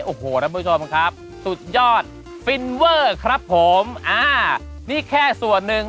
โอ้โหท่านผู้ชมครับสุดยอดฟินเวอร์ครับผมอ่านี่แค่ส่วนหนึ่ง